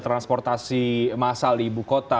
transportasi masal di ibu kota